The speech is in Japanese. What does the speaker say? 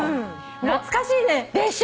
懐かしいね。